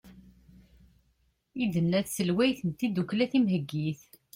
i d-tenna tselwayt n tddukkla timheggit